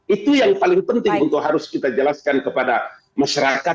itu yang paling penting untuk harus kita jelaskan kepada masyarakat